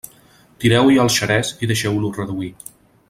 Tireu-hi el xerès i deixeu-lo reduir.